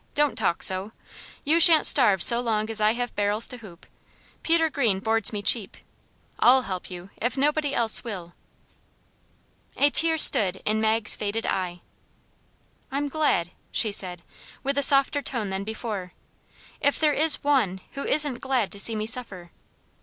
don't talk so. You shan't starve so long as I have barrels to hoop. Peter Greene boards me cheap. I'll help you, if nobody else will." A tear stood in Mag's faded eye. "I'm glad," she said, with a softer tone than before, "if there is ONE who isn't glad to see me suffer.